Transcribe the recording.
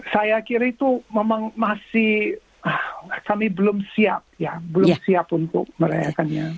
saya kira itu memang masih kami belum siap untuk merayakannya